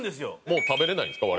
もう食べれないんですか？